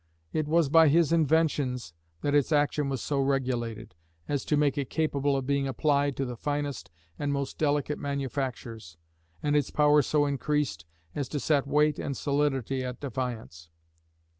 It was by his inventions that its action was so regulated, as to make it capable of being applied to the finest and most delicate manufactures, and its power so increased, as to set weight and solidity at defiance.